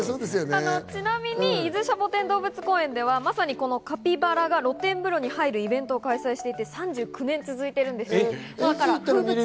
ちなみに伊豆シャボテン動物公園ではまさにカピバラが露天風呂に入るイベントを開催していて、３９年続いてるんです。